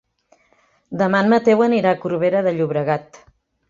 Demà en Mateu anirà a Corbera de Llobregat.